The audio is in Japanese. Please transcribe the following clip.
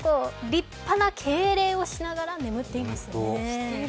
立派な敬礼をしながら眠っていますね。